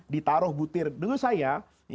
ditaruh butir dulu saya